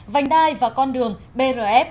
vành đai và con đường brf hai nghìn một mươi chín